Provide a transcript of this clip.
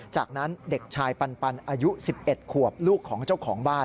จากนั้นเด็กชายปันอายุ๑๑ขวบลูกของเจ้าของบ้าน